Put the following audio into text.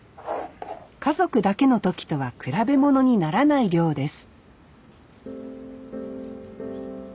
家族だけの時とは比べものにならない量です